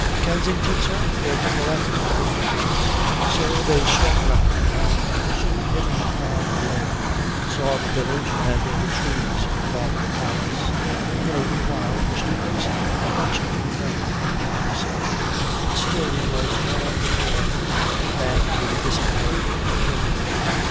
"Kensington, sir? Bear to the left, if you please." So they swung round, and soon hitting upon a lane saw the village and the trees about the palace. In a little while, "Mr. Boyce: how much do you know?" the Pretender said; and still he was more the boy than the disinherited king.